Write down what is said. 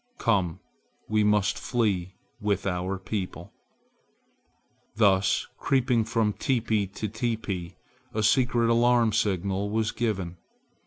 Come, we must flee with our people." Thus creeping from teepee to teepee a secret alarm signal was given.